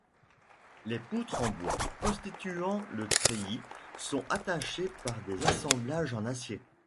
Les poutres en bois, constituant le treillis, sont attachées par des assemblages en acier.